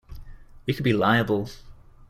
We could be liable.